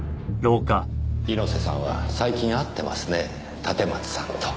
猪瀬さんは最近会ってますね立松さんと。